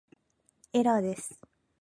エラーです